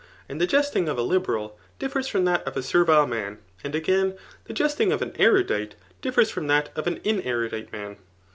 And the jestmg of a liberal differs from that of a servile tnan, and again, the jesting of an erudite di£Fers from that of an inerudite man.